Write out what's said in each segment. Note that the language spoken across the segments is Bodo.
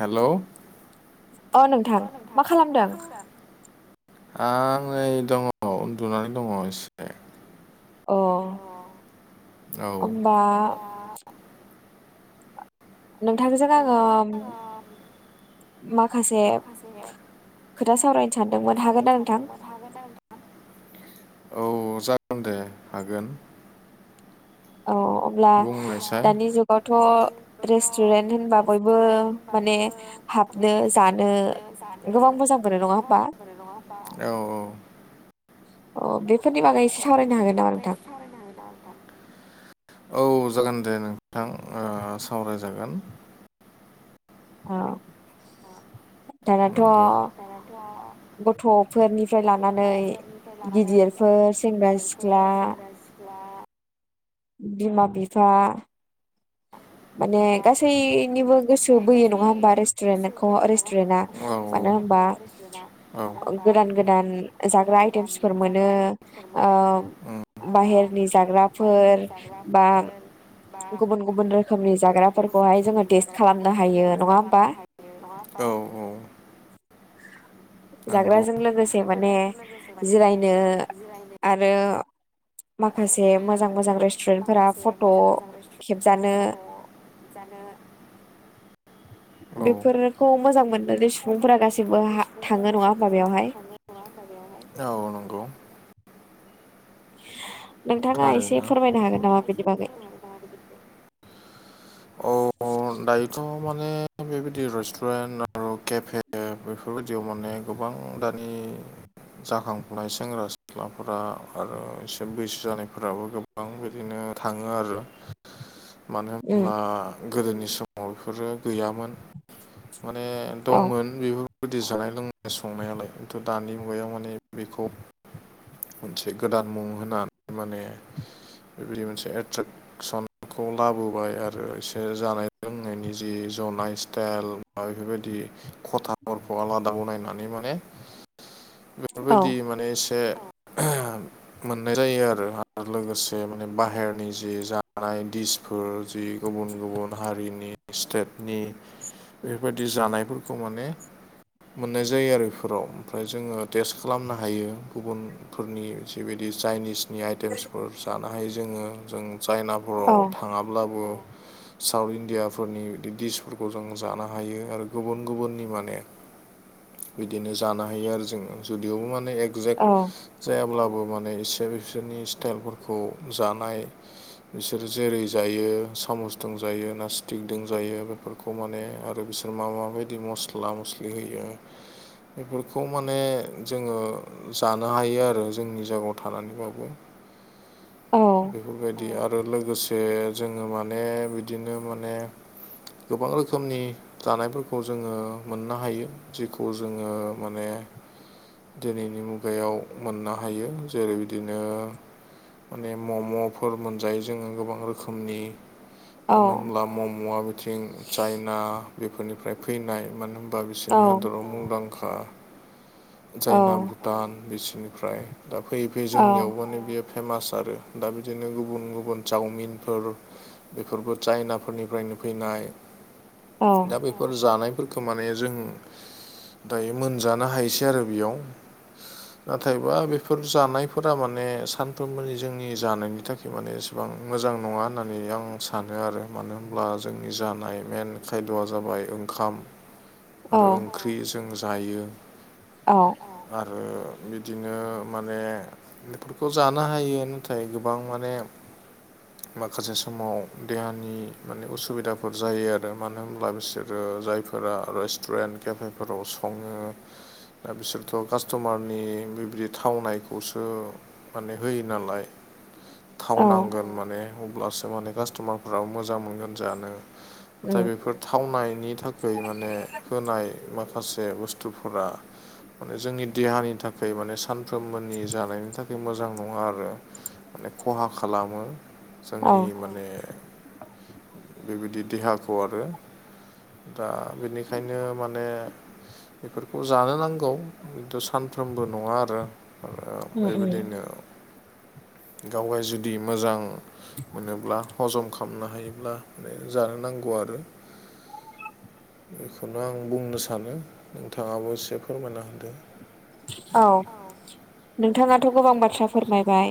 हेल'। अ नोंथां मा खालामदों? आं नै दङ उन्दुनानै दङ एसे। अ होनबा नोंथांजों आङो माखासे खोथा सावरायनो सानदोंमोन हागोन ना नोंथां? औ जागोन दे हागोन। औ अब्ला दानि जुगावथ' रेस्टुरेन्ट होनबा बयबो माने हाबनो जानो गोबां मोजां मोनो नङा होमबा। औ औ अ बेफोरनि बागै एसे सावरायनो हागोन नामा नोंथां औ जागोन दे नोंथां ओ सावरायजागोन। औ दानाथ' गथ'फोरनिफ्राय लानानै गिदिरफोर सेंग्रा सिख्ला दा बिमा बिफा माने गासैनिबो गोसो बोयो नङा होमबा रेस्टुरेन्टखौ रेस्टुरेन्टाना मानो होनबा गोदान गोदान जाग्रा आइटेमसफोर मोनो। ओ बाहेरनि जाग्राफोर बा गुबुन गुबुन रो खोमनि जाग्राफोरखौहाय जोङो टेस्ट खालामनो हायो नङा होमबा? जाग्राजों लोगोस से माने जिरायनो आरो माखासे मोजां मोजां रेस्टुरेन्ट फोरा फट' फोरा फट' जानो बेफोरखौ मोजां मोनानै सुबुंफोरा गासैबो हा थाङो नङा होमबा बेवहाय। औ नंगौ नोंथाङा एसे फोरमायनो हागोन नामा बेनि बागै अ दायोथ' माने बेबायदि रेस्तुरेन्ट आरो केफे बेफोरबायदियाव माने गोबां दानि जाखांफुनाय सेंग्रा सिख्लाफोरा आरो एसे बैसो जानायफोराबो गोब गोबां बिदिनो थाङो आरो मानो अब्ला गोदोनि समाव बेफोरो गैयामोन माने दंमोन बेफोरबायदि जानाय लोंनाय संनायालाय खिन्थु दानि मुगायाव माने बेखौ मोनसे गोदान मुं होनानै माने बेबायदि मोनसे एट्रेकसनखौ लाबोबाय आर आरो एसे जानाय लोंनायनि जि जनाय स्टाइल बा बेफोरबायदि खथाफोरखौ आलादा बनायनायनानै माने [inaudible] बेफोरबायदि माने एसे मोननाय जायोआरो आरो लोगोसे माने बाहेरनि जि जानाय दिसफोर जि गुबुन गुबुन हारिनि स्टेटनि बेफोरबायदि जानायफोरखौ माने मोननाय जायो आरो बेफोराव ओमफ्राय जोङो टेस्ट खालामनो हायो गुबुन फोरनि जिबायदि चाइनिस नि आइटेमसफोर जानो हायो जोङो जों चाइनाफोराव थाङाब्लाबो साउथ इण्डियाफोरनि बिदि डिसफोरखौ जों जानो हायो आरो गुबुन गुबुननि माने बिदिनो जानो हायो आरो जोङो जुदियावबो माने एगजेक्ट जायाब्लाबो माने इसे बिसोरनि स्टाइलफोरखौ जानाय बिसोर जेरै जायो सामस दोंजायो ना स्टिक दोंजायो बेफोरखौ माने आरो बिसोर मा मा बायदि मस ला मस्लि होयो बेफोरखौ माने जोङो जानो हायो आरो जोंनि जायगायाव थानानैबाबो [inaudible] बेफोरबायदि आरो लोगोसे जोङो माने बिदिनो माने गोबां रोखोमनि जानायफोरखौ जोङो मोननो हायो जेखौ जोङो माने दिनैनि मुगायाव मोननो हायो जेरै बिदिनो माने मम'फोर मोनजायो जोङो गोबां रोखोमनि। मानो होनोमब्ला मम'आ बिथिं चायना बेफोरनिफ्राय फैनाय मानो होनब्ला? बा बिसोरनि हादराव मुंदांखा चायना भुटान बिसोरनिफ्राय। दा फैयै-फैयै जोंनियाव माने बेयो फेमास आरो दा बिदिनो गुबु- गुबुन चावमिनफोर बेफोरबो चाइनाफोरनिफ्रायनो फैनाय दा बे फोर जानायफोरखौ माने जों दायो मोनजानो हायोसै आरो बेयाव नाथायबा बेफोर जानायफोरा माने सानफ्रोमबोनि जोंनि जानायनि थाख माने एसेबां मोजां नङा होननानै आं सान नो आरो मानो होनोमब्ला जोंनि जानाय मेन खायद'आ जाबाय ओंखाम आरो ओंख्रिजों जायो औ आरो बिदिनो माने बेफोरखौ जानो हायो नाथाय गोबां माने माखासे समाव देहानि माने उसुबिदाफोर जायो आरो मानो होनब्ला बिसोरो जायफोरा रेस्टुरेन्ट केेफेफोराव सङो दा बिसोरथ' कास्ट'मारनि बेबायदि थावनायखौसो माने होयो नालाय थाव नांगोन माने अब्लासो माने कास्ट'मारफोराबो मोजां मोनगोन जानो। नाथाय बेफोर थावनायनि थाखाय माने होनाय माखासे बुस्थुफोरा माने जोंनि देहानि थाखाय माने सान साफ्रोमबोनि जानायनि थाखाय मोजां नङा आरो माने खहा खालामो। जोंनि माने बेबायदि देहाखौ आरो। दा बेनिखायनो माने बेफोरखौ जानो नांगौ खिन्थु सानफ्रोमबो नङा आरो। आरो बेबायदिनो गावहाय जुदि मोजां मोनोब्ला हजम खालामनो हायोब्ला मे जानो नांगौ आरो। बेखौनो आं बुंनो सानो नोंथाङाबो एसे फोरमायना होदो। औ। नोंथाङाथ' गोबां बाथ्रा फोरमायबाय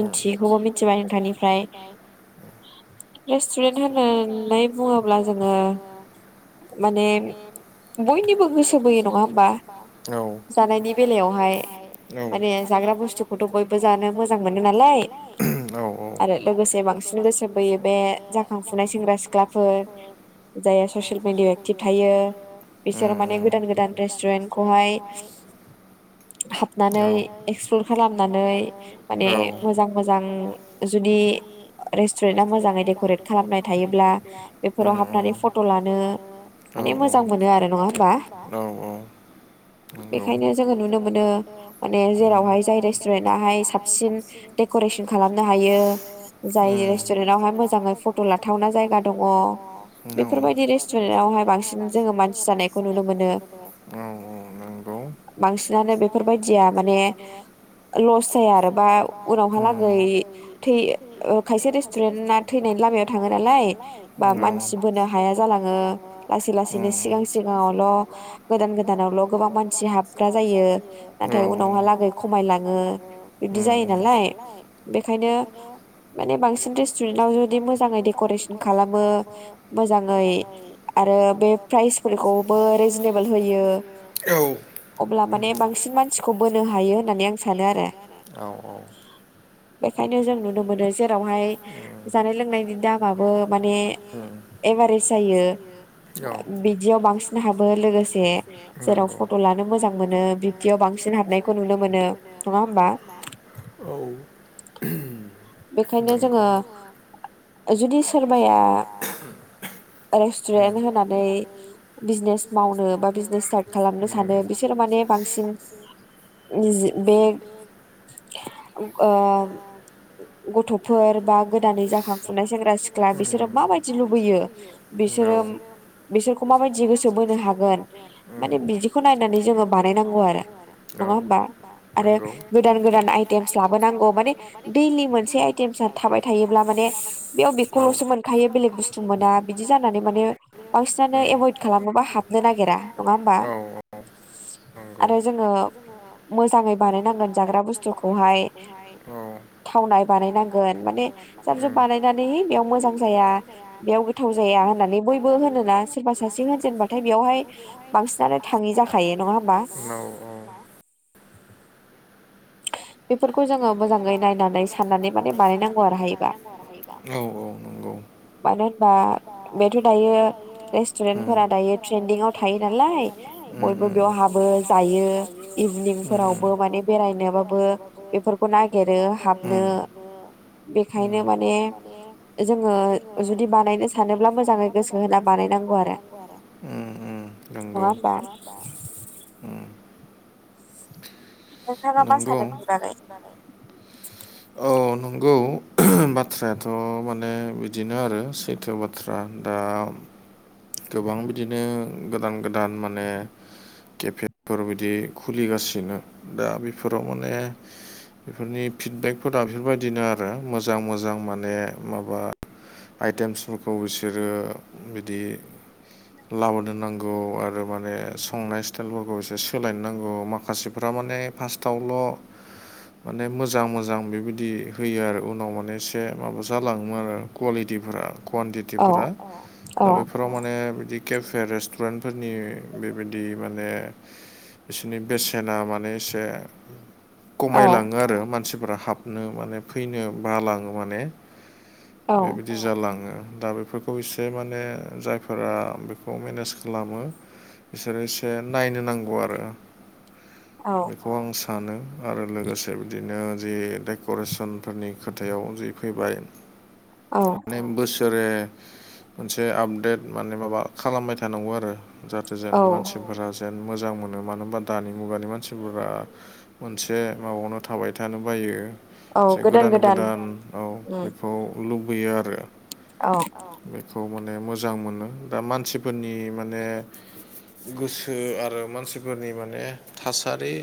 मिथियैखौबो मिथिबाय नोंथांनिफ्राय। रेस्टुरेन्ट होननानै बुङोब्ला जोङो माने बयनिबो गोसो बोयो नङा होमबा? जानायनि बेलायावहाय माने जाग्रा बुस्थुखौथ' बयबो जानो मोजां मोनो नालाय, आरो लोगोसे बांसिन गोसो बोयो। बे जाखांफुनाय सेंग्रा सिख्लाफोर जायहा ससिल मिडिायाव एक्टिभ थायो बिसोर माने गोदान गोदान रेस्टुरेन्टखौहाय [unintelligible] हाबनानै एक्सप्ल खालामनानै माने मोजां मोजां जुदि रेस्टुरेन्ट आ मोजाङै डेक'रेट खालामनाय थायोब्ला बेफोराव हाबनानै फट' लानो माने मोजां मोनो आरो नङा होमबा? औ औ नंगौ जोङो नुनो मोनो म जेरावहाय जाय रेस्टुरेन्टहाय साबसिन डेक'रेसन खालामनो हायो। जाय रेस्टुरेन्टवहाय मोजाङै फट' लाथावना जायगा दङ बेफोरबायदि रेस्त सुुनावहाय बांसिन जोङो मानसि जानायखौ नुनो मोनो। [unintelligible] बांसिनानो बेफोरबायदिया जाया माने लस जाया आरो बा उनावहालागै थै ओ खायसे रेस्टुरेन्टना थैनायनि लामायाव थाङो नालाय बा मानसि बोनो हाया जालाङो लासै लासैनो सिगां सिगांआवल' गोदान गोदानावल' गोबां मानसि हाबग्रा जायो नाथाय उनाव [unintelligible] लागै खमाय लाङो बिब्दि जायो नालाय बेखायनो माने बांसिन रेस्टुरेन्टाव जुदि मोजाङै डेक'रेसन खालामो मोजाङै आरो बे प्राइसफोरखौबो रिजनेबोल होयो औ अब्ला माने बांसिन मानसिखौ बोनो हायो होननानै आं सानो आरो। बेखायनो जों नुनो मोनो जेरावहाय जानाय लोंनायनि दामाबो माने एभारेज जायो। बिदियाव बांसिन हाबो लोगोसे जेराव फट' लानो मोजां मोनो बिब्दियाव बांसिन हाबनायखौ नुनो मोनो नङा होमबा? बेखायनो जोङो जुदि सोरबाया रेस्टुरेन्ट होनानै बिजनेस मावनो बा बिजनेस स्टार्ट खालामनो सानो बिसोर माने बांसिन नि बे ओ गथ'फोर बा गोदानै जाखांफुनाय सेंग्रा सिख्ला बिसोरो माबायदि लुबैयो? बिसोरो बिसोरखौ माबायदि गोसो बोनो हागोन माने बिदिखौ नायनानै जोङो बानायनांगौ आरो नङा होमबा आरो गोदान गोदान आइटेमस लाबोनांगौ माने बै [unintelligible] लि मोनसे आइतेमसआ थाबाय थायोब्ला माने बेयाव बेखौ ल'सो मोनखायो बेलेग बुस्थु मोना बिदि जानानै माने बांसिनानो एभयद खालामो बा हाबनो नागिरा नङा होमबा? आरो जोङो मोजाङै बानायनांगोन जाग्रा बुस्थुखौहाय थावनाय बानायनांगोन माने जाब-जुब बानायनानै है बेयाव मोजां जाया बेयाव गोथाव जाया होननानै बयबो होनोना सोरबा सासे होनजेनबाथाय बेयावहाय बांसिनानो थाङि जाखायो नङा होमबा? बेफोरखौ जोङो मोजाङै नायनानै साननानै माने बानायनांगौ आरो हायोबा मानो होनबा बेथ' दायो रेस्टुरेन्टफोरा दायो ट्रेन्दिंआव थायो नालाय बयबो बेयाव हाबो जायो इभनिंफोरावबो माने बेरायनो बाबो बेफोरखौ नागिरो हाबनो बेखायनो माने जोङो जुदि बानायनो सानोब्ला सानोब्ला मोजाङै गोसो होना बानायनांगौ आरो उ उ नोंगौ नङा होमबा? नोंथाङा मा सानो नुनानै औ नंगौ बाथ्रायाथ' माने बिदिनो आरो सैथो बाथ थ्रा दा गोबां बिदिनो गोदान गोदान माने केफेफोर बिदि खुलिगासिनो दा बेफोराव माने बेफोरनि फिडबेकफोरा बेफोरबायदिनो आरो मोजां मोजां माने माबा आइटेम्सफोरखौ बिसोरो बिदि लाव दोननांगौ आरो माने संनाय स्टाइलफोरखौ एसे सोलायनो नांगौ माखासेफोरा माने फासटावल' माने मोजां मोजां बेबायदि होयो आरो उनाव माने एसे माबा जालाङो आरो कुवालिटिफोरा कुवानटिटिफोरा अ दा बेफोराव मा नोङो बिदि केफे रेस्टुरेन्टफोरनि बेबायदि माने बिसोनि बेसेना माने एसे खमायलाङो आरो मानसिफोरा हाबनो माने फैनो बालाङो माने बेबायदि जालाङो दा बेफोरखौ एसे माने जायफो फोरा बेखौ मेनेज खालामो बिसोरो एसे नायनो नांगौ आरो औ। बेखौ आं सानो आरो लोगोसे बिदिनो जि डेक'रेसनफोरनि खोथायाव जि फैबाय औ। माने बोसोरे मोनसे आपडेट माने माबा खालामबाय थानांगौ आरो जाहाथे जेन औ मानसिफोरा जेन मोजां मोनो मानो होनबा दानि मुगानि मानसिफोरा मोनसे माबायावनो थाबाय थानो बायो। एसे गोदान गोदान औ बेखौ लुबैयो आरो अ बेखौ माने मोजां मोनो दा मानसिफोरनि माने गोसो आरो मानसिफोरनि माने थासारि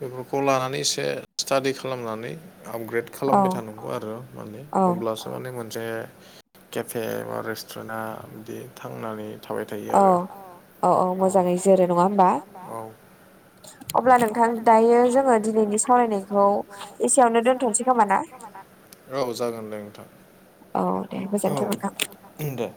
बेफोरखौ लानानै एसे स्टाडि खालामनानै आपग्रेड खालामबाय थानांगौ आरो माने अब्लास थारमाने मोनसे केफे बा रेस्टुरेन्टा बिदि थांनानै थाबाय थायो आरो औ औ मोजाङै जोरो नङा होम्बा? औ। अब्ला नोंथां दायो जोङो दिनैनि सावरायनायखौ एसेयावनो दोनथ'नोसै खोमा ना? औ जागोन दे नोंथां औ दे गोजोनथों नोंथां इ